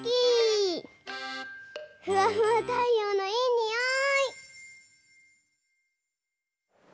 ふわふわたいようのいいにおい！